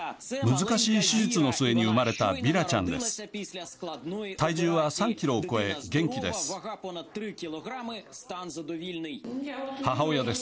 難しい手術の末に産まれたヴィラちゃんです。